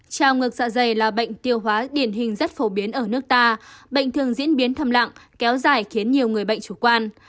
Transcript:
trào ngược dạ dày là bệnh tiêu hóa điển hình rất phổ biến ở nước ta bệnh thường diễn biến thầm lặng kéo dài khiến nhiều người bệnh chủ quan